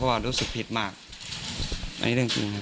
ว่ารู้สึกผิดมากอันนี้เรื่องจริงครับ